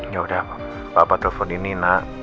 ya udah papa telfon ini nak